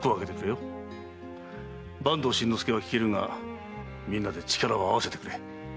坂東新之助は消えるがみんなで力を合わせてくれ。